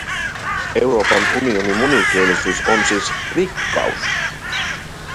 Euroopan unionin monikielisyys on siis rikkaus.